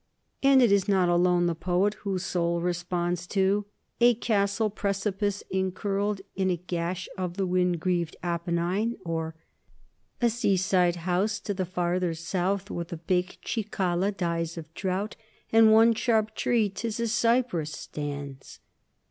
And it is not alone the poet whose soul responds to A castle, precipice encurled, In a gash of the wind grieved Apennine ; or A sea side house to the farther South, Where the baked cicala dies of drouth, And one sharp tree 't is a cypress stands.